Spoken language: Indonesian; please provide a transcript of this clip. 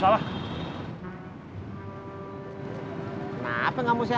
ini parfum dari temen gue